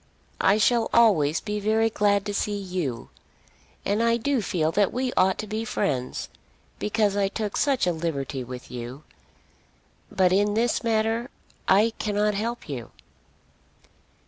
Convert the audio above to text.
I shall always be very glad to see you, and I do feel that we ought to be friends, because I took such a liberty with you. But in this matter I cannot help you."